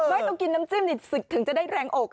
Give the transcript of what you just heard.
ต้องกินน้ำจิ้มนี่ถึงจะได้แรงอก